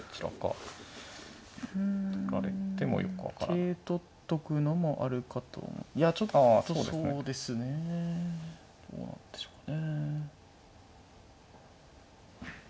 桂取っとくのもあるかといやちょっとそうですねえ。どうなんでしょうね。